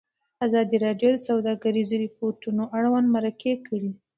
ازادي راډیو د سوداګریز تړونونه اړوند مرکې کړي.